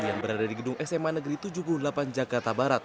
yang berada di gedung sma negeri tujuh puluh delapan jakarta barat